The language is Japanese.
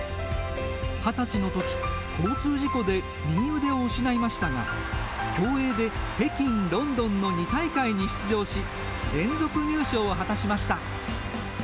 ２０歳のとき、交通事故で右腕を失いましたが、競泳で北京、ロンドンの２大会に出場し、連続入賞を果たしました。